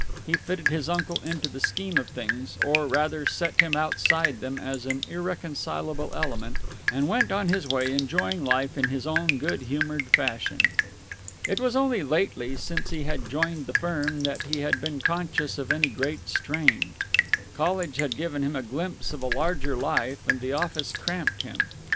He fitted his uncle into the scheme of things, or, rather, set him outside them as an irreconcilable element, and went on his way enjoying life in his own good humored fashion. It was only lately, since he had joined the firm, that he had been conscious of any great strain. College had given him a glimpse of a larger life, and the office cramped him.